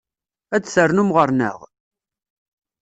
Ad d-ternum ɣer-neɣ?